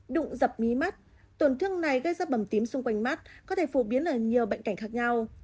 đụng dập nhí mắt tổn thương này gây ra bầm tím xung quanh mắt có thể phổ biến ở nhiều bệnh cảnh khác nhau